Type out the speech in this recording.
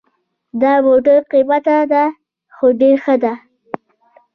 دا موټر قیمته ده خو ډېر ښه ده